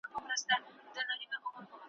دا یې هېر سول چي پردي دي وزرونه `